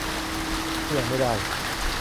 ถ้ายังไม่ได้